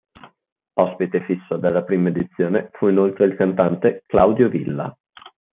Ospite fisso della prima edizione fu inoltre il cantante Claudio Villa.